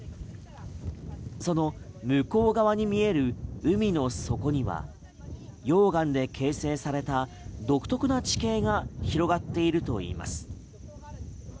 その向こう側に見える海の底には溶岩で形成された独特な地形が広がっているといいます。